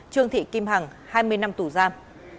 trương thị kim hằng hai mươi năm tù giam